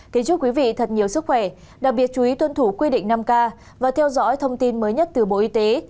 kính chúc quý vị thật nhiều sức khỏe đặc biệt chú ý tuân thủ quy định năm k và theo dõi thông tin mới nhất từ bộ y tế